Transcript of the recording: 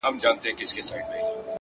پوهه له لټون سره پیدا کېږي!